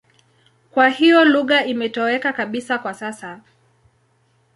Kwa hiyo lugha imetoweka kabisa kwa sasa.